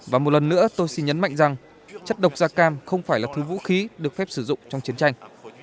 và một lần nữa tôi xin nhấn mạnh rằng chất độc da cam không phải là thứ vũ khí được phép sử dụng trong chiến tranh